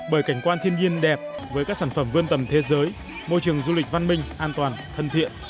bởi cảnh quan thiên nhiên đẹp với các sản phẩm vươn tầm thế giới môi trường du lịch văn minh an toàn thân thiện